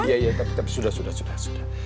iya iya tapi sudah sudah sudah